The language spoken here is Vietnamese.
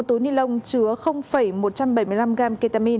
một túi ni lông chứa một trăm bảy mươi sáu methamphetamine